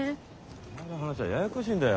お前の話はややこしいんだよ。